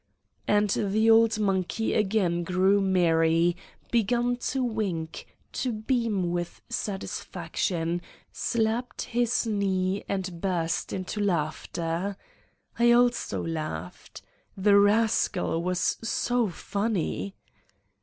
And the old monkey again grew merry, begun to wink, to beam with satisfaction, slapped his knee and burst into laughter. I also laughed. The rascal was so funny